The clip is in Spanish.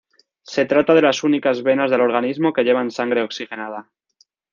Se trata de las únicas venas del organismo que llevan sangre oxigenada.